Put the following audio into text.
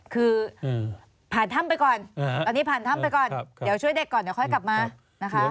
คือผ่านถ้ำไปก่อนตอนนี้ผ่านถ้ำไปก่อนเดี๋ยวช่วยเด็กก่อนเดี๋ยวค่อยกลับมานะคะ